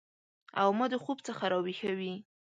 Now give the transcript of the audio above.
او ما د خوب څخه راویښوي